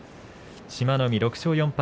志摩ノ海、６勝４敗